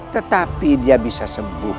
tetapi dia bisa selamatkan